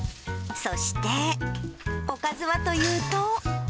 そして、おかずはというと。